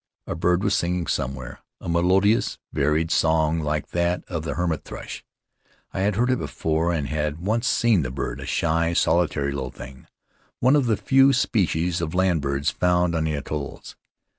A bird was singing somewhere, a melodious varied song like that of the hermit thrush. I had heard it before and had once seen the bird, a shy, solitary little thing, one of the few species of land birds found on the atolls.